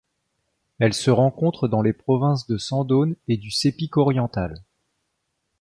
Elle se rencontre dans les provinces de Sandaun et du Sepik oriental.